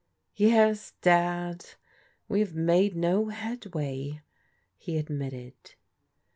" Yes, Dad, we have made no headway," he admitted.